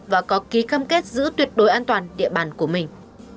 và có ký cam kết giữ tuyệt đối an toàn địa bàn của mình